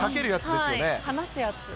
話すやつ。